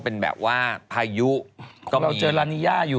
มันแบบว่าพายุเมืองตี